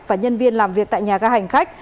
và nhân viên làm việc tại nhà ga hành khách